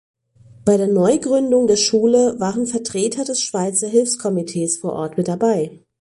Bei der Neugründung der Schule waren Vertreter des Schweizer Hilfskomitees vor Ort mit dabei.